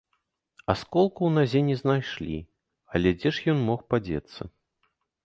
Асколку ў назе не знайшлі, а дзе ж ён мог падзецца?